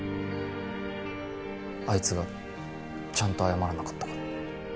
あいつがちゃんと謝らなかったから。